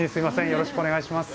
よろしくお願いします。